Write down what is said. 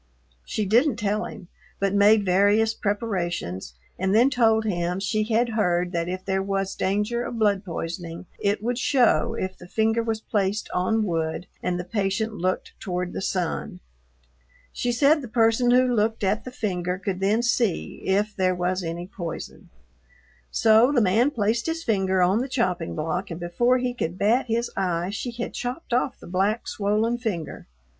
She didn't tell him, but made various preparations and then told him she had heard that if there was danger of blood poisoning it would show if the finger was placed on wood and the patient looked toward the sun. She said the person who looked at the finger could then see if there was any poison. So the man placed his finger on the chopping block and before he could bat his eye she had chopped off the black, swollen finger.